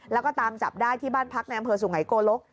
แล้วก็ตามจับได้ที่บ้านพักในอำเภอสุไงโกลก